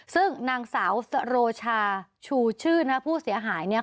ซึ่งนางสาวสโรชาชูชื่นนะผู้เสียหายเนี่ย